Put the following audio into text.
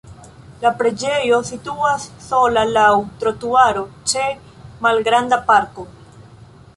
La preĝejo situas sola laŭ trotuaro ĉe malgranda parko.